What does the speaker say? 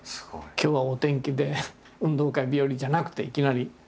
「今日はお天気で運動会日和」じゃなくていきなり。